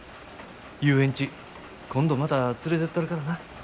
遊園地今度また連れてったるからな。